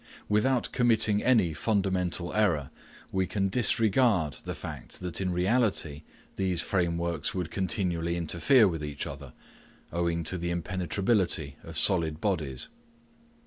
Without committing any fundamental error, we can disregard the fact that in reality these frameworks would continually interfere with each other, owing to the impenetrability of solid bodies.